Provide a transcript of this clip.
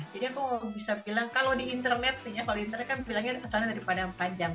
jadi aku bisa bilang kalau di internet kan bilangnya asalnya dari padang panjang